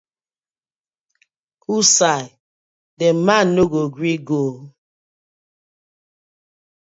Wosai di man no go gree go ooo.